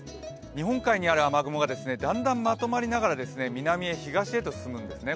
日本海にある雨雲がだんだんまとまりながら南へ東へと進むんですね。